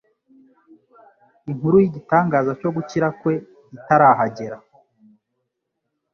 inkuru y'igitangaza cyo gukira kwe itarahagera.